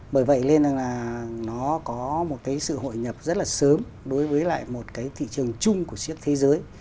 bởi vậy nên là nó có một cái sự hội nhập rất là sớm đối với lại một cái thị trường chung của siết thế giới